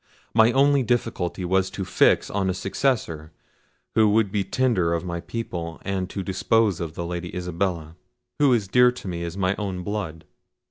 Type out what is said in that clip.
My only difficulty was to fix on a successor, who would be tender of my people, and to dispose of the Lady Isabella, who is dear to me as my own blood.